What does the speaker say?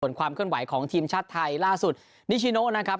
ส่วนความเคลื่อนไหวของทีมชาติไทยล่าสุดนิชิโนนะครับ